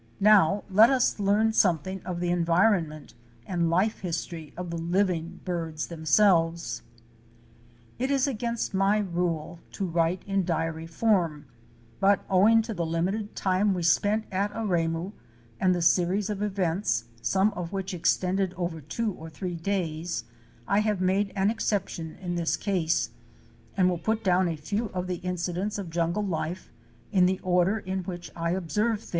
Now let us learn something of the environment and life history of the living birds themselves. It is against my rule to write in diary form, but owing to the limited time we spent at Aremu and the series of events, some of which extended over two or three days, I have made an exception in this case and will put down a few of the incidents of jungle life in the order in which I observed OUR SEARCH FOR A WILDERNESS. 2096 'HaaL VaOYY INVI) FAL ANV AAV "82I "Ol JUNGLE LIFE AT AREMU.